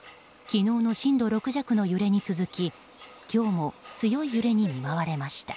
昨日の震度６弱の揺れに続き今日も強い揺れに見舞われました。